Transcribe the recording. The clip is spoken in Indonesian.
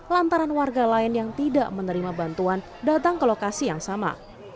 lantaran warga lain yang tidak menerima bantuan datang ke lokasi yang sama